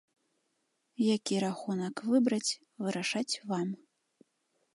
Які рахунак выбраць, вырашаць вам.